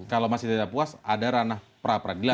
kalau masih tidak puas ada ranah pra peradilan